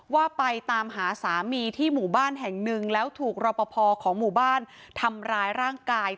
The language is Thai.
ว่าไปตามหาสามีที่หมู่บ้านแห่งหนึ่งแล้วถูกรอปภของหมู่บ้านทำร้ายร่างกาย